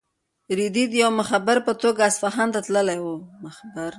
رېدی د یو مخبر په توګه اصفهان ته تللی و.